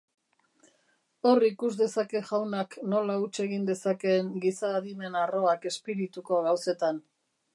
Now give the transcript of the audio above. Hor ikus dezake jaunak nola huts egin dezakeen giza adimen harroak espirituko gauzetan.